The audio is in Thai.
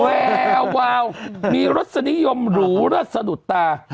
โอ้โหแววมีรัฐสนิยมหรูรัฐสะดุดตา